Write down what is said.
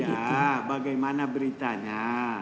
iya bagaimana beritanya